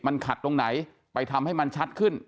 มันขัดตรงไหนไปทำให้มันชัดขึ้น